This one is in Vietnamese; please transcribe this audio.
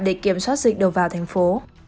để kiểm soát dịch đầu vào thành phố